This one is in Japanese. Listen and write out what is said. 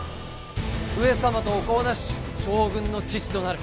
上様とお子をなし将軍の父となる。